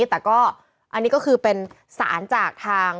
แต่ก็อันนี้ก็คือเป็นสารจากทาง